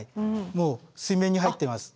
もう水面に入ってます。